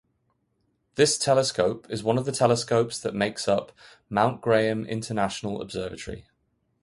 This telescope is one of the telescopes that makes up Mount Graham International Observatory.